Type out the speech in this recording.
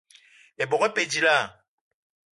Ebok e pe dilaah?